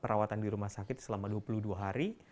perawatan di rumah sakit selama dua puluh dua hari